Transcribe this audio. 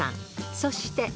そして。